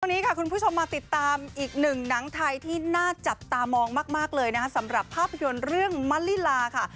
วันนี้ค่ะคุณผู้ชมมาติดตามอีกหนึ่งหนังไทยที่น่าจับตามองมากเลยนะคะสำหรับภาพยนตร์เรื่องมะลิลาค่ะ